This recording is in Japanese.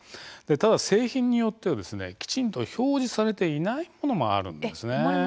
ただ製品によっては、きちんと表示されていないものもあります。